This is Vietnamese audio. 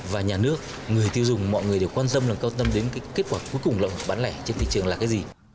và nhà nước người tiêu dùng mọi người đều quan tâm đến cái kết quả cuối cùng là bán lẻ trên thị trường là cái gì